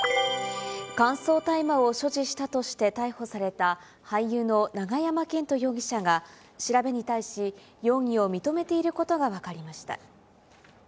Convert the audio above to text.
乾燥大麻を所持したとして逮捕された俳優の永山絢斗容疑者が、調べに対し容疑を認めていることが分かりました。